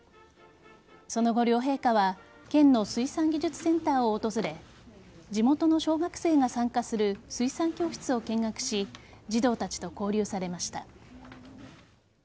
その後、両陛下は県の水産技術センターを訪れ地元の小学生が参加する水産教室を見学し児童たちと交流されました。